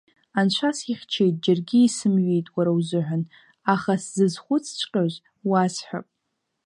Анцәа сихьчеит, џьаргьы исымҩит уара узыҳәан, аха сзызхәыцҵәҟьоз уасҳәап…